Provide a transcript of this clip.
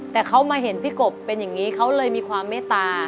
แต่เขามาเห็นพี่กบเป็นอย่างนี้เขาเลยมีความเมตตา